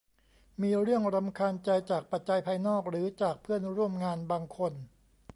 มีเรื่องรำคาญใจจากปัจจัยภายนอกหรือจากเพื่อนร่วมงานบางคน